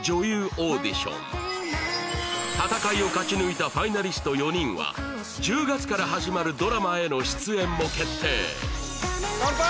オーディション戦いを勝ち抜いたファイナリスト４人は１０月から始まるドラマへの出演も決定乾杯！